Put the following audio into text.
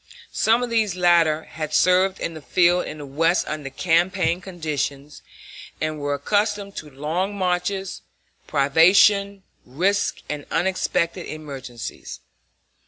Some of these latter had served in the field in the West under campaign conditions, and were accustomed to long marches, privation, risk, and unexpected emergencies.